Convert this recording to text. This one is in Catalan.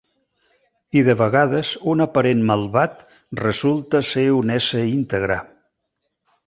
I de vegades un aparent malvat resulta ser un ésser íntegre.